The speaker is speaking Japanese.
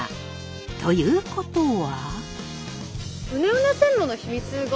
ということは。